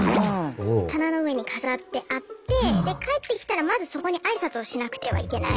棚の上に飾ってあってで帰ってきたらまずそこに挨拶をしなくてはいけない。